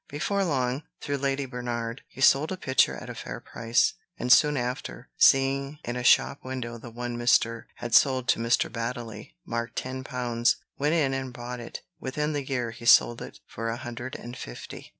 Before long, through Lady Bernard, he sold a picture at a fair price; and soon after, seeing in a shop window the one Mr. had sold to Mr. Baddeley, marked ten pounds, went in and bought it. Within the year he sold it for a hundred and fifty.